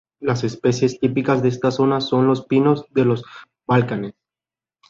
Las especies típicas de esta zona son los pinos de los Balcanes.